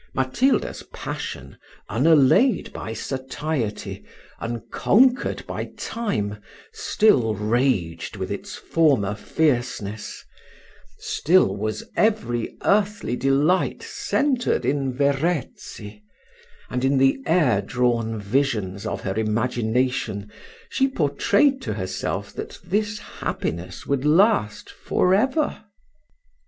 Matilda's passion, unallayed by satiety, unconquered by time, still raged with its former fierceness still was every earthly delight centred in Verezzi; and, in the air drawn visions of her imagination, she portrayed to herself that this happiness would last for ever.